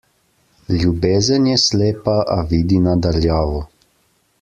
Ljubezen je slepa, a vidi na daljavo.